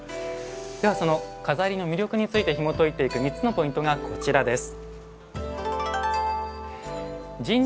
ではその錺の魅力についてひもといていく３つのポイントがこちらです。